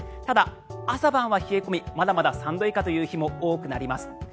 ただ、朝晩は冷え込みまだまだ３度以下という日も多くなります。